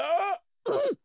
うん。